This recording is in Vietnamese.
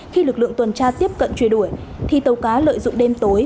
khi lực lượng tuần tra tiếp cận truy đuổi thì tàu cá lợi dụng đêm tối